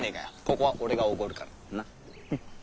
ここは俺が奢るからな？